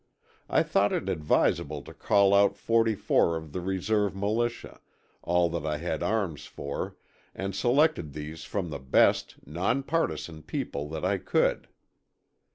I thought it advisable to call out 44 of the reserve militia, all that I had arms for, and selected these from the best, non partisan people that I could.